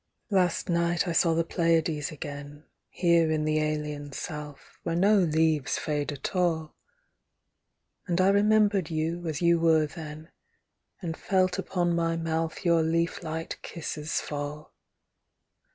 Last night I saw the Pleiades again, Here in the alien South, Where no leaves fade at all ; 100 THE PLEIADES And I remembered you as j'ou were then. And felt upon my mouth Your leaf light kisses fall